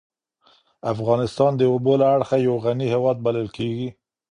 افغانستان د اوبو له اړخه یو غنی هېواد بلل کېږی.